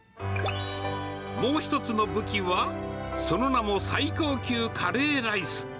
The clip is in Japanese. もう一つの武器は、その名も最高級カレーライス。